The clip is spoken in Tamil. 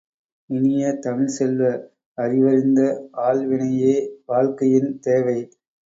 இனிய தமிழ்ச் செல்வ, அறிவறிந்த ஆள்வினையே வாழ்க்கையின் தேவை!